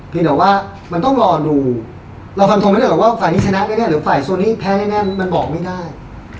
แต่ว่ามันต้องรอดูเราฟันทงไม่ได้หรอกว่าฝ่ายนี้ชนะแน่หรือฝ่ายโซนนี้แพ้แน่มันบอกไม่ได้